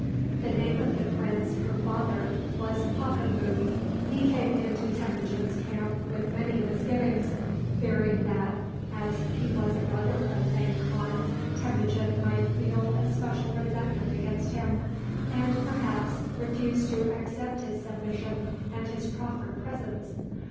The name of the prince her father was Hakembu. He came into Temujin's camp with many misgivings, fearing that, as he was a brother of Vang Khan, Temujin might feel a special resentment against him, and, perhaps, refuse to accept his submission and his proffered presents.